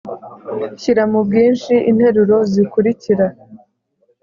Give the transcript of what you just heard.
Shyira mu bwinshi interuro zikurikira